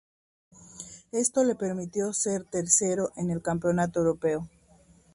Esto le permitió ser tercero en el Campeonato Europeo.